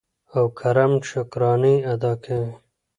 او کرم شکرانې ادا کوي.